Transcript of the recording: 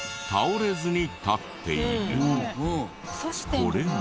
これは。